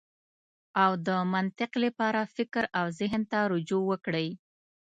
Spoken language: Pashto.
او د منطق لپاره فکر او زهن ته رجوع وکړئ.